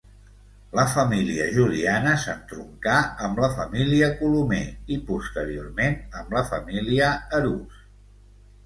La família Juliana s'entroncà amb la família Colomer i posteriorment amb la família Arús.